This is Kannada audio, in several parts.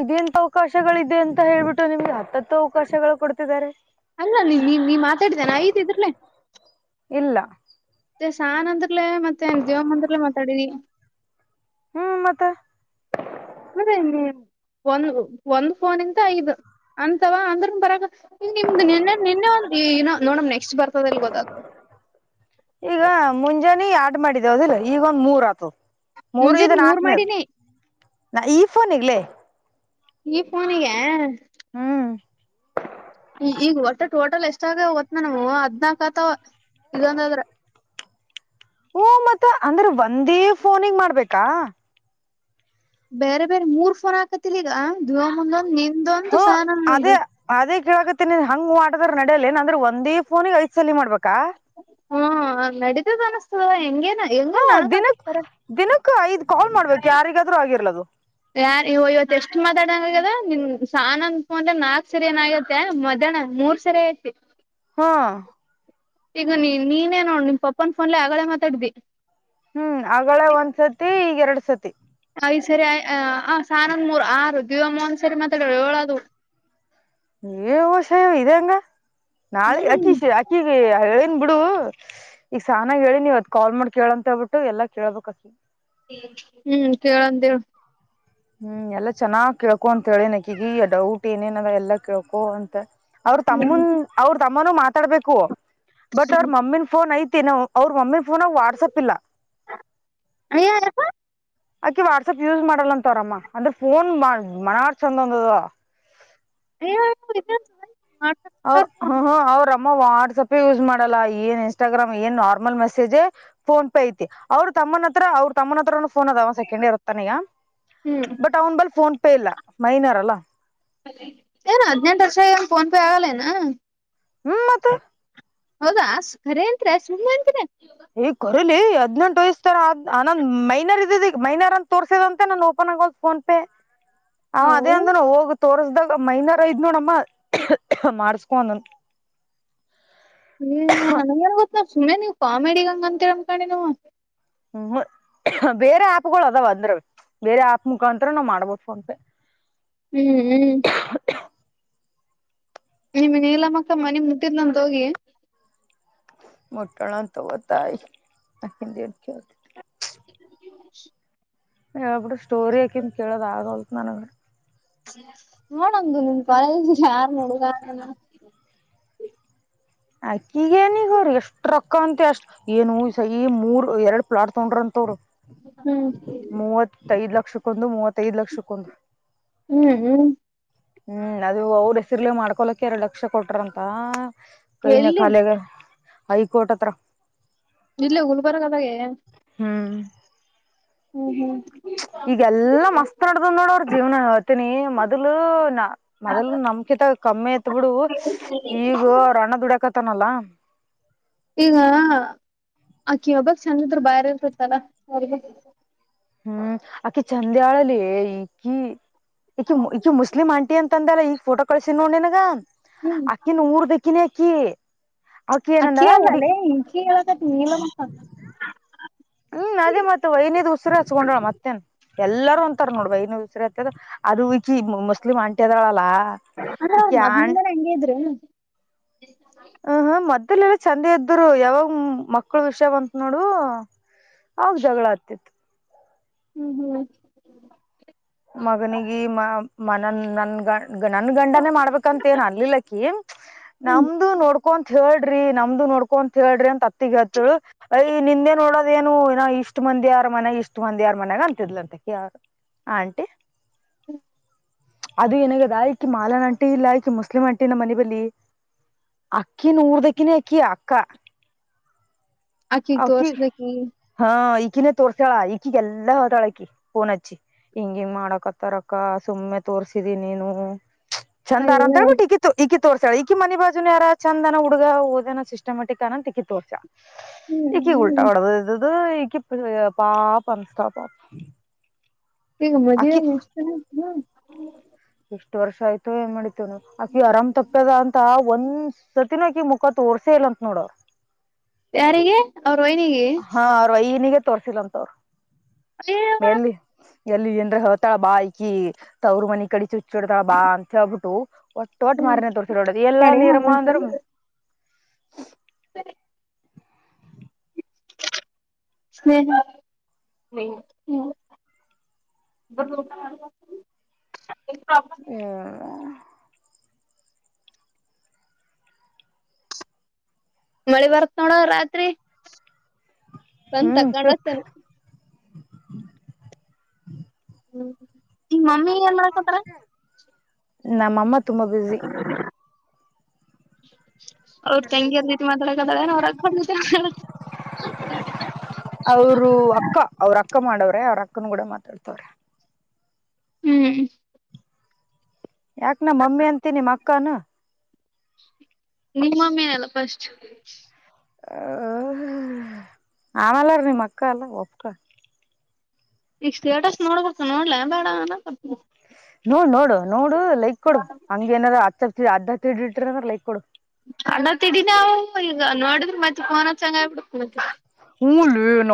ಇದೆಂತ ಅವಕಾಶಗಳಿದೆ ಅಂತ ಹೇಳ್ಬಿಟ್ಟು ನಿಮ್ಗೆ ಹತ್ತ ಅಲ್ಲ ನೀ ನೀ ನೀ ಮಾತಾಡಿದ್ದೇನೆಯತಿದ್ರಲೇ ಇಲ್ಲ [unintelligible] [unintelligible] ಮತ್ತೆೇ ದೇವಮ್ಮ ಮಂದಿರ್ಲ್ಲ ಮಾತಾಡಿವಿ ಹ್ಮ್ ಮತ್ತ ಅದೇ ಒಂದ ಒಂದ್ ಫೋನ್ ಇಂತ ಐದು ಅಂತವಾ ಅಂದ್ರನ್ ಬರಾಗ ನಿಮ್ದ ನಿನ್ನೆ ನಿನ್ನೆ ಒಂದನ ನೋಡಮ್ ನೆಕ್ಸ್ಟ್ ಬರ್ತದಲ್ ಗೊದಾದ ಆಡ್ ಮಾಡಿದೇ ಅದಿಲ್ಲ ಈಗ ಒಂದ್ ಮೂರ್ ಆತು ಮುಂಜಾನ ಮೂರ್ ಮಾಡಿನೇ ಈಫೋನೇಗೆ ಲೆ ಈ ಫೋನಿಗೆ ಹ ಹ್ಮ್ ಈಗ ಒಟ್ಟೆ ಟೋಟಲ್ ಎಷ್ಟಗ ತ್ ನ ನಮ ಹದ್ನಾಕ ಆತವ ಇದೊಂದಾದ್ರ ಹಓ ಮತ್ತ ಅಂದ್ರೆ ಒಂದೇ ಫೋನಿಗೆ ಮಾಡ್ಬೇಕಾ ಬೇರೆ ಬೇರೆ ಮೂರ್ ಫೋನ್ ಹಾಕತಿಲ್ ಈಗ ದೇವಮ್ಮದೊಂದ್ ನಿ ಹ್ಮ ಅದೇ ಅದೇ ಕೇಳಕತ್ತೇನಿ ಹಂಗ ಮಾಡ ನಡಲಿ ಏನಂದ್ರೆ ಒಂದೇ ಫೋನಿಗೆ ಐ್ ಸಲಿ ಮಾಡ್ಬೇಕಾ ಹ್ಮ ನಡತದ ಅನಸ್ತದ ಹೆಂಗನ್ ಹಾ ಹೆಂಗನ್ ದಿನಕ್ ನನಗತಾರೆ ದಿನಕ್ ಐದ್ ಕಾಲ್ ಮಾಡ್ಬೇಕು ಯಾರಿಗಾದ್ರೂ ಆಗಿರ್ಲದು ಯಾರ ಇವತ್ ಎಷ್ಟ ಮಾತಾಡ್ ದ ನಿ ಸಾನ ಅನ್ ಅಂದ್ರೆ ನಾಲ್ಕ್ ಸರಿ ಏನ ಆಗತ್ತೆ ಮಧ್ಯಾಹ್ನ ಮೂರ್ ಸರಿ ಐತಿ ಹಾ ಈಗ ನೀ ನೀನೇ ನೋಡ ನಿನ ಪಪ್ಪನ್ ಫೋನ್ಲ್ಲ ಆಗಲೆ ಮಾತಾಡಿದ್ದಿ ಹ್ಮ್ ಅಗಳ ಒಂದ್ಸತಿ ಈಗ ಎರಡ್ ಸತಿ ಸತಿ ಐ ಸರಿ ಆ ಸಾನಂದ ಮೂರು ಆರು ದೇವಮ್ಮ ಒಂದ್ ಸರಿ ಮಾತಾಡಲಾ ಯೋಳು ಅದಾವ [unintelligible] ಹೆಂಗ ನಾಳೆ ಹ್ಮ್ ಅಕಿಶ ಅಕಿಗೆ ಹೇಳೇನ್ ಬಿಡು ಈಗ ಸಾನಾಗ ಹೇಳಿ ನೀವ್ ಅದ್ ಕಾಲ್ ಮಾಡಿ ಕೇಳ ಅಂತ ಹೇಳ್ಬಿಟ್ಟು ಎಲ್ಲಾ ಕೇಳ್ಬಬೇಕ ಅಕಿಗೆ ಹ್ಮ್ ಕೇಳಂದೇಳು ಹ್ಮ್ ಎಲ್ಲಾ ಚೆನ್ನಾಗ್ ಕೇಳ್ಕೊ ಅಂತ ಹೇಳಿ ನಕಗ ಡೌಟ್ ಏನೇನವ ಎಲ್ಲಾ ಕೆಳ್ಕೊ ಅಂತ ಅವ್ರ ಹ್ಮ್ ತಮ್ಮನ್ ಅವ್ರ ತಮ್ಮನ ಮಾತಾಡ್ಬೇಕು ಬಟ್ ಅವ್ರ ಮಮ್ಮಿ ಫೋನ್ ಐ [unintelligible] ಅವ್ರ ಒಮ್ಮೆ ಪೋನ ವಾಟ್ಸಪ್ ಇಲ್ಲ ಅಯ್ಯ ಯಪ್ಪ ಆಕಿ ವಾಟ್ಸಪ್ ಯೂಸ್ ಮಾಡಲ್ಲ ಅಂತವರಮ್ಮ ಅಂದ್ರೆ ಫೋನ್ ಮನಾರ್ ಚಂದ ಒಂದದ ಇ ಹ ಹ್ಮ ಅವ್ರ ಮ್ಮ ವಾಟ್ಸ್ಪ್ ಯೂಸ್ ಮಾಡಲ್ಲ ಏನ್ ಇನ್ಸ್ಟಾಗ್ರಾಮ್ ಏನ್ ನಾರ್ಮಲ್ ಮೆಸೇಜ್ ಫೋನ್ ಪೇ ಐತಿ ಅವ್ರ ತಮ್ಮನ್ನ ಹತ್ರ ಅವ್ರ ತಮ್ಮ ಹತ್ರ ಫೋನ್ ಅದ ಒ ಸೆಕೆಂಡ್ ಇರುತ್ತಾನ ಈಗ ಹ್ಮ್ ಬಟ್ ಅವ್ನ ಬಲ್ ಫೋನ್ ತಪ್ಪೇ ಇಲ್ಲ ಮೈನರ್ಲ್ಲ ಏನು ಹದಿನೆಂಟು ವರ್ಷ ಏನು ಪೊನ್ ಪೇ ಆಗಾಲೇನಾ ಹ ಹ್ಮ್ ಮತ್ತ [inaudible] ಹೌದಾ ಖರೆ ಅಂತ್ರ ಸು ಅಂತ್ರ ಈಗ ಕೊರಲಿ ಹದ್ನೆೆಂಟು ವಯಸ್ ತರ ಆದ್ ಆನ್ ಮೈನರ್ ಇದದ ಈಗ ಮೈನರ್ ಅನ್ ತೋರ್ಸದಂತೆಂತ ನಾನ ಓಪನ್ ಆಗೋ ಫೋನ್ ಪೇ ಅವ ಹೌ ಅದೇ ಅಂದ್ರ ಹೋಗ ತೋರ್ಸ್ದಾಗ ಮೈನರ್ ಐದ್ ನೋಡಮ್ಮ ಮಾಡಸ್ಕೊಂದನ್ ನೀವು ನನಗ ಏನ್ ಗೊತ್ತ ಸುಮ್ಮನೆ ನೀವು ಕಾಮಿಡಿಗ ಹಂಗ ಅಂತರಮ್ ಕಣ ಹ್ಮ ಬೇರೆ ಆಪ್ಗಳು ಅದಾವ ಅಂದ್ರ ಬೇರೆ ಆಪ್ ಮುಖಾಂರ ನಾವ್ ಮಾಡ್ಬೋದು ಫೋನ್ಪೇ ಹ್ಮ್ ಹ್ಮ್ ನಿಮ್ಮ ನೀಲ್ಲ ಮಕ್ಕಮ್ಮ ನಿಮ್ ಮುದಿದನಂತ ಹೋಗಿ ಮೊಟ್ಟಣ ತತಾಯ [unintelligible] ಹ್ಮ ಹ ಬುಡು ಸ್ಟೋರಿಯಾಕಿಂತ ಕೇಳೋದ ಆಗೋಲ್ ನನವೇ ನೋಡಮ್ದು ನಿಮ ಕಾಲ ಯಾರು ನೋಡುದ ಅಕ್ಕಿಗೇನ ಈಗ ಅವ್ರಿ ಎಷ್ಟ್ ರೊಕ್ಕ ಅಂತ ಅಷ್ಟ್ ಏನು ಸ ಈ ಮೂರ್ ಎರಡ್ ಪ್ಲಾಟ್ ತೊಗಡ್ರ ಅಂತವ್ರು ಹ್ಮ್ ಲಕ್ಷಕ್ಕೊಂದು ಮೂವತ್ತೈದು ಲಕ್ಷಕ್ಕೊಂದು ಹ್ಮ್ ಹ್ಮ್ ಹ್ಮ್ ಅದು ಅವ್ರ ಹೆಸರ್ಲಿ ಮಾಡ್ಕೊಲಕ್ಕೆ ಎರಡು ಲಕ್ಷ ಕೊಟ್ರಂತ ಕೈ ಎಲ್ಲಿ ನಖಾಾಲೇಗ ಹಐಕೋಟ್ಟತ್ರ ಇಲ್ಲೇ ಹುಲ್ಬರಗದಾಗೆ ಹ್ಮ್ ಹ್ಮ್ ಹ್ಮ್ ಈಗಲ್ಲ ಮಸ್ತ್ ನಡ್ದ ನೋಡ ಅವ್ರ ಜೀವನ ಹೇತನಿ ಮೊದ್ಲು ನ ಮೊದ್ಲು ನಮ್ಕಿತ ಕಮ್ಮಿ ಐತ್ ಬಿಡು ಈಗ ಅವ್ರ ಅಣ್ಣ ದುಡ್ಯಕತ್ ಪತ್ತನಲಾ ಈಗ ಆಕಿ ಒಬ್ಬಕ್ ಚಂದಿದ್ರು ಬಾರಿ ಇರ್ತತ್ತಲ್ಲ ಸ ಹ್ಮ್ ಆಕಿ ಚಂದ್ಯಾಳಲ್ಲಿ ಈ ಈ ಈಿ ಮುಸ್ಲಿಂ ಆಂಟಿ ಅಂತ ಅಂದಲ್ಲ ಈಗ ಫೋಟೋ ಕಳಸಿದ ನೋಡನ ಹ್ ಹ್ಮ್ ಅಕ್ಕಿನ ಊರ್ ದಕ್ಕ ಕ ನಕಿ ಅಕ್ಕಿ ಅಲ್ಲಲ್ಲೇ ಈಕ್ಕಿ ಹೇಳಕತಿಲ್ಲ. ಹ್ಮ್ ಅದೇ ಮತ್ತತ್ ವೈ್ನದ್ ಉಸರಿ ಹಚ್ಕೊಂಡಳ ಮತ್ತೇನ್ ಎಲ್ಲಾರೂ ಒಂತಾರ ನೋಡ ವೈನದ್ ಉಸಿರಿ ಹತ್ತತದ ಅದು ಮುಸ್ಲಿಮ ಅಟೆ ಜಳಲ್ಲ ಅಂದ್ರ ಅವ್ರ ಮೊದ್ಲಿಂದಾನೇ ಹಂಗೆ ಇದ್ರೇನು ಮಲ್ಲ ಎಲ್ಲ ಚಂದ ಇದದ್ದ್ರು ಯಾವಾಗ ಮಕ್ಕಳ ವಿಷಯ ಬಂತ ನೋಡು. ಆಗ ಜಗಳ ಆತಿತ್ತು. ಹ್ಮ್ ಹ್ಮ್ ಮಗನಿಗೆ ಮ ಮನನ್ ನನ್ಗ ನನ್ ಗಂಡನೇ ಮಾಡ್ಬೇಕಂತ ಏನ್ ಅಲ್ಲಿಲಕ್ಕಿ ಹ್ಮ್ ನಮ್ದು ನೋಡ್ಕೊಂತ. ಹೇಳ್ರಿ ನಮ್ದು ನೋಡ್ಕೊಂತ ಹೇಳ್ರಿ ಅಂತ ಅತ್ತಿಗ ಹತ್ತಳು ಅಯ್ ನಿಂದೆ ನೋಡೋದ ಏನು ಇನ ಇಷ್ಟ್ ಮಂದಿ ಯಾರ್ ಮನ್ಯ ಇಷ್ಟ್ ಮಂದಿ ಯಾರ್ ಮನ್ಯಾಗ ಅಂತಿದ್ಲ ಅಂತ ಕ ಯಾರ ಹಂ ಅಂಟಿ. ಹ್ಮ ಅದು ಏನಾಗದ ಈಕಿ ಮಾಲಾನ್ ಅಂಟಿ ಇಲ್ಲ ಈಕಿ ಮುಸ್ಲಿಂ ಅಂಟಿನ ಮನೆ ಬಲಿ ಅಕ್ಕಿನ ಊರ್್ದ--ಕ್ಕಿನೇ ಅಕ್ಕಿ ಅಕ್ಕ ಆಕಿಗ್ ಆ ತೋರ್ಸ್ದಕಿ ಹಾ ಈ ಇಕ್ಕಿನ ತೋರ್ಸಳಾ ಈಕ್ಕಿ ಎಲ್ಲಾ ಹತಾಳಕಿ ಪೋನಚ್ಚಿ ಹಿಂಗ ಹಿಂಗ್ ಮಾಡಕತ್ತರಕ್ಕ ಸುಮ್ಮನೆ ತೋರ್ಸಿದಿ ನೀನು. ಚಂದಾರ ಅಂತ ಅಯ್ಯೋ ಹೇಳ್ಬಟ್ಟ್ಟ ಈಗಿತ್ತು ಈಗಿ. ತೋರ್ಸಳ ಈಿ ಮಿ ಬಾಜು ಯಾರ ಚಂದನ ಹುಡುಗ ಓದನ ಸಿಸ್ಟಮೆಟಿಕ್ ಅನನ್ ತಿಕ್ಕಿ ತೋಸಳ. ಹ್ಮ್ ಈಗ ಈಗ ಉಲ್ಟಾ ಹ್ಮ್ ಹೊಡದ ಇದ್ದ್ದ ಈ ಪಾಪ ಅಮಸ್ಾ ಪಾಪ ಈಗ ಮದ್ ಆಕಿ ಎಷ್ಟು. ಹ ಎಷ್ಟು ವರ್ಷ ಆಯತ ಮಾಡ. ಆಕಿ ಆರಾಮ್ ತಪ್ಪದ ಅಂತ ಒಂದ್ ಸಟ್. ತ್ತಿನೋಕಿ ಮುಖ ತೋರ್ಸೆ ಇಲ್ಲ ಅತ್ ನೋಡರು. ಯಾರಿಗೆ. ಅವ್ರ ವೈನಿಗೆ ಹಾ ಅವ ಈನಿಗೆ ತೋರ್ಸಿಲ್ಲ ಅಂತ ಅವ್ರು. ಹ ಎಲ್ಲಿ ಏನ್ರ ಹೇಳ್ತಾಳ ಬಾ ಈಕಿ ತವ್ರ ಮನಿ ಕಡ ಹುಚ್ಚಿಡ್ತಾಳ ಬಾ ಅಂತ ಹೇಳ್ಬಿಟ್ಟು. ಒಟ್ಟೋಟ್ಟು ಹ್ಮ್ ಮಾರಿನ ತೋರಿಸಿರೋಡದು ಎಲ್ಲಾ ತಡಿ ಒಂದ್ ನೀರಮ ನಿಮಿಷ ಅಂದ್ರ. [inaudible] ನೀ ಹ್ಮ ಹ್ಮ ಮಳಿ ಬರ್ತ ನೋಡ ರಾತ್ರಿ ಸಂತ ಹ್ಮ್ ಪಿಕ್ ಕಂಡತೇನೆ ಈ ಮಮ್ಮಿ ಎನ ಮಾಡಕತರ ನಮ್ಮಮ್ಮ ತುಂಬಾ ಬಿಜಿ ಹ ಅವ್ರ ತಂಗಿದ್ ರೀತಿ ಮಾತಾಡಕದಾಗ ಅವ್ರ ಅವರು ಅಕ್ಕ ಅವ್ರ [unintelligible] ಅಕ್ಕ ಮಾಡೋವ್ರೆ ಅವ್ರ ಅಕ್ಕನ ಗೂಡ ಮಾತಾಡ್ತವ್ರೆ ಹ್ಮ್ ಯಾಕ ನಮ್ಮ ಮಮ್ಮಿ ಅಂತೀ ನಿಮ್ಮ ಅಕ್ಕಾನ ನಿಮ್ಮಮ್ಮಿ ಅಲ್ಲ ಫಸ್ಟ್ ಹ ಆಮಲ್ಲಾರ ನಿಮ್ಮ ಅಕ್ಕ ಅಲ್ಲ ಒಪ್ಕ ಈ ಸ್ಟೇಟಸ್ ನೋಡ್ಬಡ್ತು ನೋಡ್ಲ ಬೇಡ ಅ ನೋಡ್ ನೋಡು ನೋಡು ಲೈಕ್ ಕೊಡು ಹಂಗ ಏನಾರ ಆತ್ತರ್ ಅದ ಅಡ್ಡ ತಿಡ್ಡಿ ಇಟ್ಟ್ರ ಅಂದ್ರ ಲೈಕ್ ಕೊಡು ಅಣ್ಣತ್ಡೀ ನಾವು ಈಗ ನೋಡಿದ್ರ ಮತ್ತೆ ಪೋನ ಹಚ್ಚಾನಗ ಆ [unintelligible] ಹಂಗ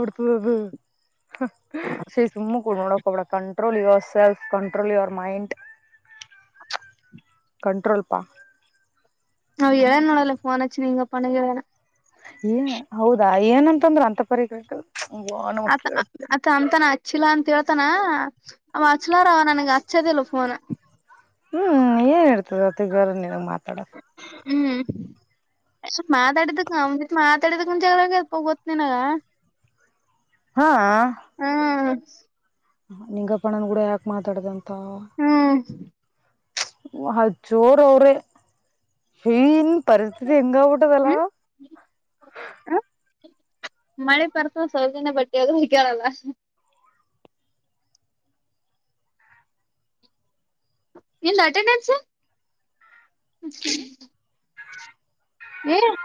ಅಡ್ತದು ಸ ತು [inaudible] ನೋಡ ಕ ಹೋಗಬೇಡ control yourself control your mind control ಪಾ ಅವು ಇಳನಳ್ಳಲ್ಲ ನೀಂಗಪ್ಪಾನಗೆಳನ ಹೌದಾ ಏನಂತಂದ್ರರು ಅಂತ ಪರಿಗತಕ್ ಅ ಅ ಅಮಂತಾನ ಹಚ್ಚಿಲ್ಲಾ ಅಂತ ಹೇಳ ತಾನ ಅವ ಅಚ್ಲಾರ ಅವ ನನಗೆ ಅಚ್ಚದೇಲ್ಲ ಫೋನ್ ಹ್ಮ್ ಏನ್ ಇರ್ತದತಿ ಗರನ್ ಮಾತಾಡ ಹ್ಮ್ ಸ್ವಲ್ಪ ಮಾತಾಡಿದಕ್ ಮಾತಾಡಿದಕ್ ಗಾಗ ಸ್ವಲ್ಪ ಗೊತ್ತ ನಿನಾಗ ಹಾ ಹ್ಮ ನಿಂಗಪ್ಪಣನನ್ ಗೂಡ ಯಾಕ್ ಮಾತಾಡ್ದಂತ ತ್ತ ಹ್ಮ್ ಜೋರ ಅವ್ರೆ ನ್ ಪರಿಸ್ಥಿತಿ ಹೆಂಗ ಆಗಿಬಿಟದೆಲ್ಲ ಹ್ಮ್ ಮಳೆ ಪರ್ತ ಸೌಜನ್ಯ ಬಟ್ಟೆ ಅದು ಹಗ್ಯಾರಲ್ಲ ಎನ್ ಅಟೆಂಡೆನ್ಸ್ ಹ್ಮ [unintelligible]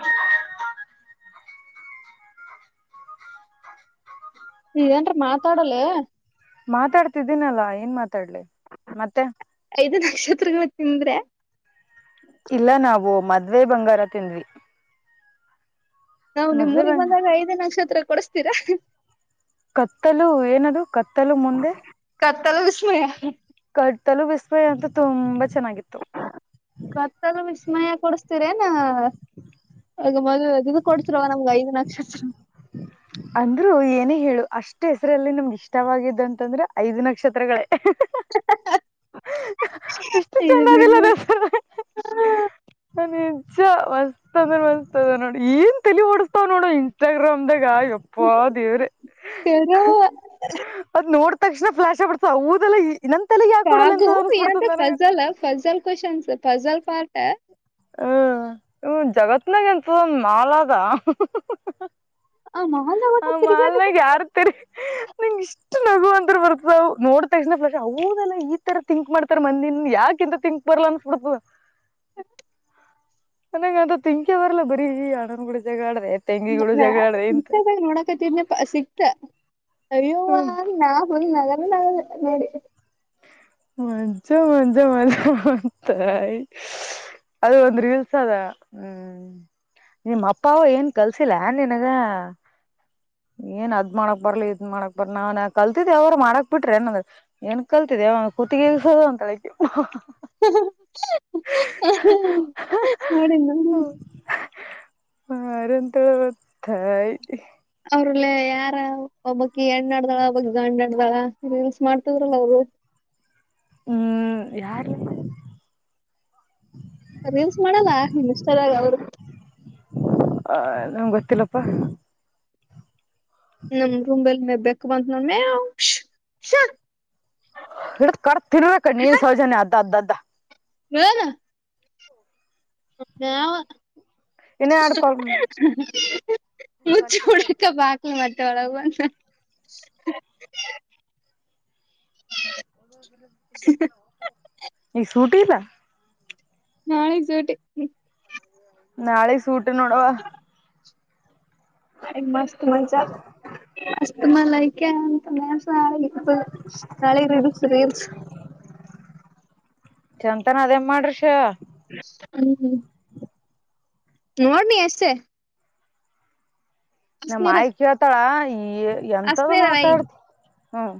ಹಾ ಇದನ್ರಿ ಮಾತಾಡಲ್ಲ ಮಾತಾಡ್ತಿದ್ದೀನಲ್ಲ ಏನ್ ಮಾತಾಡ್ಲಿ ಮತ್ತೆ ಐದು ನಕ್ಷತ್ರಗಳು ತಿಂದ್ರೆ ಇಲ್ಲ ನಾವು ಮದ್ವೆ ಬಂಗಾರ ತಿಂದ್ವಿ ನಾವವು ನಿಮ್ ಮದ್ವೆ ಊರಿಗ್ ಬಂಗ ಬಂದಾಗ ಐದೇ ನಕ್ಷತ್ರ ಕೊಡ್ಸ್ತೀವಿ ತಿ ರಾ ಕತ್ತಲು ಏನದು ಕತ್ತಲು ಮುಂದೆ ತ್ತಲ್ಲ ವಿಸಮಯ ಕತಲು ಬಿಸ್ಮಯ ಅಂತ ತುಂಬ ಕತ್ತಲು ವಿಸ್ಮಯ ಕೊಡ ತರೇನಾ ಈಗ ಮೊದ್ ಇದು ಕೊಡ್ತಿರವ ನಮ್ಗೆ ಐದು ನಕ್ಷತ್ರ ಅಂದ್ರು ಏನೇ ಹೇಳು ಅಷ್ಟ್ ಹೆಸರಲ್ಲಿ ನಮ್ಗೆ ಇಷ್ಟವಾಗಿದ್ದಂತಂದ್ರೆ ಐದ್ ನಕ್ಷತ್ರಗಳೇ [unintelligible] ಇಷ್ಟು ಚಂದದಿಲ್ಲ ದಸ ನಿಜ ಮಸ್ ತ ನೋಡಿ ಏನ್ ತಿಳ ಓಿಸಸ್ತಾವ್ ನೋಡು ಇನ್ಸ್ಟಾಗ್ರಾಮ್ಗ ಗ ಯಪ್ಪ ದೇವ್ರ ಅದ ನೋಡ್ ತಕ್ಷಣ ಫ್ಲಾಶ ಆಗಿಬಿಡ್ತು ಊದೆಲ್ಲ ನನ್ ತಲೆಗ್ ಯಾಕ ಕೊಡಲ್ಲ ಪಾಗು ಅಂತ ಅನ್ಸ್ಬಿಡ್ತದ ಏನಂತ ನನಗ ಫಜಲ್ ಫಜಲ್ ಕ್ವನ್ಸ ಫಜಾಲ್ ಫಲ್್ಟ [unintelligible] ಹ್ಮ ಇ ಜಗತ್ನಾಗ ಎಂತ ಮಾಲದ ಆ ಆ ಮಾಲ್ದಾಗ ತಿರ್ಗಾಡ ಮಾಲ್ಗೆ ಯಾರ್ತರಿ ನಿಂ ಇಷ್ಟ ನಗು ಅಂತ ಬರ್ತದ ನೋಡ್ತ [unintelligible] ಅವದೆಲ್ಲ ಈ ತರ ತಿಂಕ್ ಮಾಡ್ತಾರ ಮಂದಿನ್ ಯಾಕಿಂತ ತಿಂಕ್ ಬರ್ಲ ಅನ್ಬಿಡ್ತದ ಹ್ಮ [inaudible] ನನಂಗ ಅಂತ ತಿಂಕ ಬರ್ಲ್ಲಾ ಬರಿ ಆಡ ಕೂಡ ಜಗ ಆಡ್ರ ನಿಗ ನೋಡಕತಿದನಪ್ಪ ಸಿಕ್ತ ಅಯ್ಯೋ ಹ್ಮ ನಾ ಹ ನ ಹ [unintelligible] ಮಂಜ ಮಂಜ ಮಜ ಅಂತ ಅದು ಒಂದ್ ರೀಲ್ಸ್ ಅದ ಹ್ಮ್ ನಿಮ್ಮ ಅಪ್ಪ ಅವ ಏನ್ ಕಲ್ಸಿಲ್ಲ ಏ ನನ್ಗ ಏನ್ ಅದ್ ಮಾಡಕ್ ಬರ್ಲಿ ಇದ್ ಮಾಡಕ್ ಬರ್ ನಾವನ್ ಕಲ್ತಿದ್ದ ಅವರು ಮಾಡಕ್ ಬಿಟ್ರಿ ಏನ್ಂದ ಏನ್ ಕಲ್ತಿದ ಹೊುತ್ತಿಗೆಸದು ಅಂತಳಕ್ಕೆ [unintelligible] ನೋಡಿ ಹರಂತವತ್ತಾಯ [unintelligible] ಅವ್ರಲ್ಲ ಯಾರ ಒಬ್ಬಕ್ ಎಣ್ಣಡ [unintelligible] ಅಲ್ವಾ ರೀಲ್ಸ್ ಮಾಡ್ತಿದ್ರಲ್ಲ ಅವರು ಹ್ಮ್ ಯಾರ ರೀಲ್ಸ್ ಮಾಡಲ್ಲ ಇನ್ಸ್ಟ ಅವರು ನಂಗೆ ಗೊತ್ತಿಲ್ಲಪ್ಪ ನಮ್ ರೂಮ್ಲ್ ಮೇ ಬ ಕುಮತ್ನೂ ಮೆವೊ ಶಾ ಇ ಕರ್ ತಿನ್ಬೇಕ ನೀರ್ ಸೌಜನ್ಯ ಅದ ಅದ ಅದ ಯೆನು ನ ಹ್ಮ ಇನ್ನ ಎರಡ್ ಕಾಲ್ ಈಗ ಮುಚ್ಚಡ್ಕ ಬಾಕ್ ಮ ಚಳುವ ಈ ಸೂಟ್ ಪ್ಪೇಲ ನಾಳೆ ಜೋಟ ನಾಳಗ್ ಸೂಟ ನೋಡುವ ಮಸ್ತ್ ಮಜಾ ಮಸ್ತ್ ಮಲ್ಲ ಐಕೆ ಅಂತ ನಳೆ ನಳೆ ಸ್ರ ಹ ಚಂತಾನ ಅದೇನ್ ಮಾಡ್ರಿಷ ಹ್ಮ ನೋಡ್ ನೀ ಅಸ್ಟೇ ನಮ್ಮಯ್ಕ್ ಕೇಳ್ತಾಳ ಈ ಎಂತದ ಅಸ್ನಿರ ವೈ ಮಾತಾಡ್ತ ಹ್ಮ್